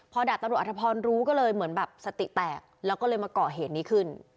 พอดาบตำรวจอธพรรู้ก็เลยเหมือนแบบสติแตกแล้วก็เลยมาเกาะเหตุนี้ขึ้น